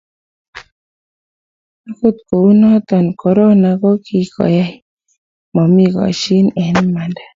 agot ko uno korona kokikoai mami kashin eng imanda